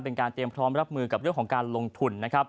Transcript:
เป็นการเตรียมพร้อมรับมือกับเรื่องของการลงทุนนะครับ